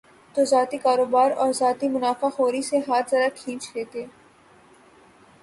تو ذاتی کاروبار اور ذاتی منافع خوری سے ہاتھ ذرا کھینچ لیتے۔